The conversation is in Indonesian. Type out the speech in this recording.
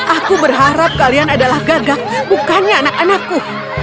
aku berharap kalian adalah gagak bukannya anak anakku